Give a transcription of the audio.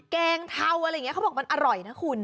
แกงเทาอะไรอย่างนี้เขาบอกมันอร่อยนะคุณ